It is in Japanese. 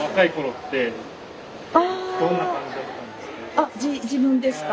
あっ自分ですか？